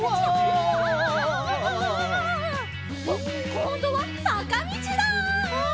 こんどはさかみちだ！